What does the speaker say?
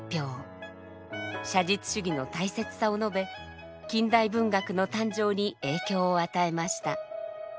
写実主義の大切さを述べ近代文学の誕生に影響を与えました。